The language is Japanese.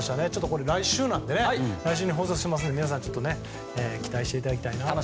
これは来週に放送しますので皆さん期待していただきたいなと思います。